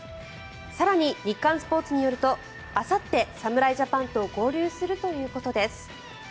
更に日刊スポーツによるとあさって、侍ジャパンと合流するということです。